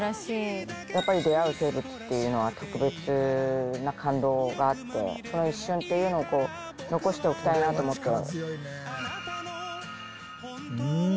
やっぱり出会う生物っていうのは特別な感動があってその一瞬っていうのをこう残しておきたいなと思って。